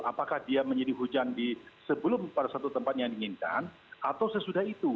apakah dia menjadi hujan sebelum pada satu tempat yang diinginkan atau sesudah itu